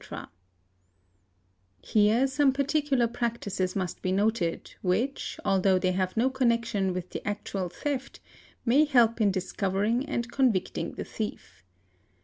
_ Here some particular practices must be noted which, although they have no connection with the actual theft, may help in discovering and convicting the thief.